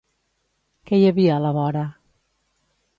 Què hi havia a la vora?